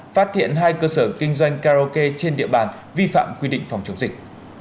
phát hiện hai cơ sở kinh doanh karaoke trên địa bàn vi phạm quy định phòng chống dịch